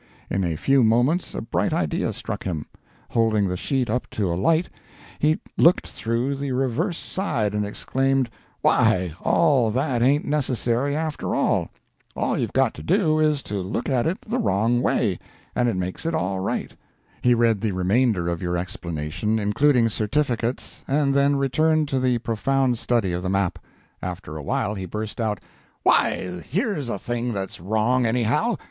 In a few moments a bright idea struck him. Holding the sheet up to a light, he looked through the reverse side and exclaimed: 'Why, all that ain't necessary, after all! All you've got to do is to look at it the wrong way, and it makes it all right!' He read the remainder of your explanation, including certificates, and then returned to the profound study of the map. After a while he burst out: "'Why, here's a thing that's wrong, anyhow!